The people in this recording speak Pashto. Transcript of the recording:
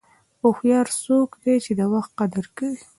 هوښیار څوک دی چې د وخت قدر کوي.